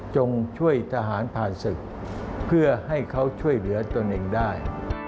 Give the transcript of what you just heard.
ช่วยทหารผ่านศึกเพื่อให้เขาช่วยเหลือตนเองได้